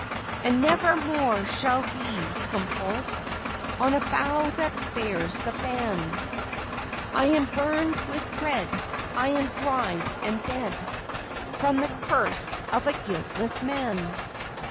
And never more shall leaves come forth On a bough that bears the ban; I am burned with dread, I am dried and dead, From the curse of a guiltless man.